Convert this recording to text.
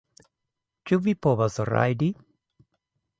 Ĉu vi povas rajdi?